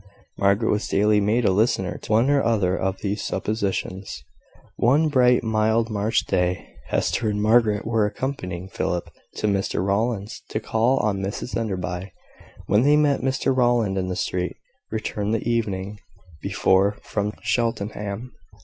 Margaret was daily made a listener to one or other of these suppositions. One bright, mild, March day, Hester and Margaret were accompanying Philip to Mr Rowland's to call on Mrs Enderby, when they met Mr Rowland in the street, returned the evening before from Cheltenham.